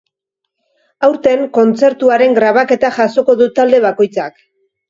Aurten kontzertuaren grabaketa jasoko du talde bakoitzak.